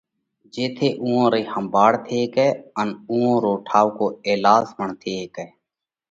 جيٿئہ اُوئون رئِي ۿمڀاۯ ٿي هيڪئہ ان اُوٿئہ اُوئون رو ٺائُوڪو ايلاز پڻ ٿي هيڪئہ۔